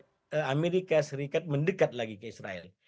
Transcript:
yang membuat amerika serikat mendekat lagi ke israel